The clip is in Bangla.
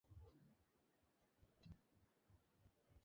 শালা বিরক্ত হয়ে হয়ে গেছি, প্রতিদিনের এই ক্যাচক্যাচানি শুনে।